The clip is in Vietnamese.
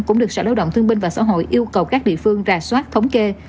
cũng được sở lao động thương binh và xã hội yêu cầu các địa phương ra soát thống kê